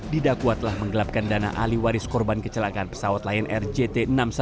didakwa telah menggelapkan dana ahli waris korban kecelakaan pesawat lion air jt enam ratus sepuluh